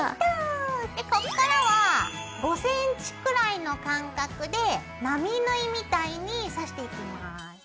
でこっからは５ｃｍくらいの間隔で並縫いみたいに刺していきます。